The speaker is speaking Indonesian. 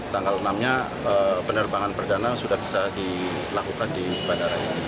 tanggal enam nya penerbangan perdana sudah bisa dilakukan di bandara ini